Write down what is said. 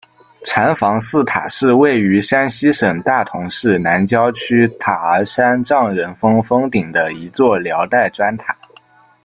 禅房寺塔是位于山西省大同市南郊区塔儿山丈人峰峰顶的一座辽代砖塔。